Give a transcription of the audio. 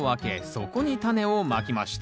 そこにタネをまきました。